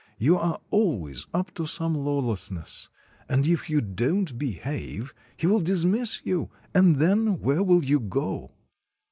You are always up to some lawlessness. If you don't behave, he 163 RUSSIA will dismiss you, and then where will you go?